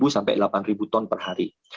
tujuh sampai delapan ton per hari